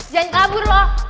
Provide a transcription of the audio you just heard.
jangan kabur lo